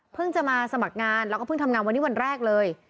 จะมาสมัครงานแล้วก็เพิ่งทำงานวันนี้วันแรกเลย